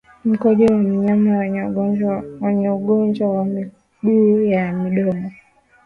Mkojo wa wanyama wenye ugonjwa wa miguu na midomo